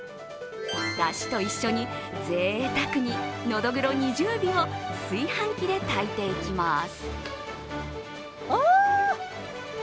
だしと一緒にぜいたくにのどぐろ２０尾を炊飯器で炊いていきます。